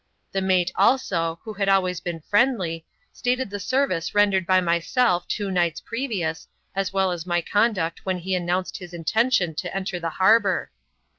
The mate also — who had always been friendly — stated the service rendered by myself two nights previous, as well as my conduct when he announced his intention to enter the harbour.